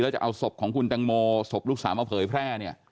แล้วจะเอาศพของคุณตังโมศพลูกสาวมาเผยแพร่